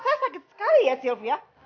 saya merasa mengilangkan keadaan fellahnya jebat